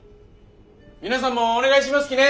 皆さんもお願いしますきね。